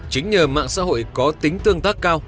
chính nhờ mạng xã hội có tính tương tác cao